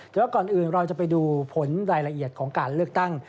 แต่ว่าก่อนอื่นเราจะไปดูผลรายละเอียดของการเลือกตั้ง